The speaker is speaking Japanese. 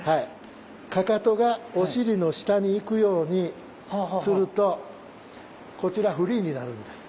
かかとがお尻の下に行くようにするとこちらフリーになるんです。